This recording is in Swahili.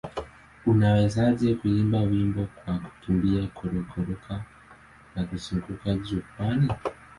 Unawezaje kuimba wimbo kwa kukimbia, kururuka na kuzunguka jukwaani?